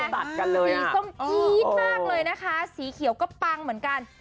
อีส้มอีดมากเลยนะคะสีเขียวก็ปังเหมือนกัน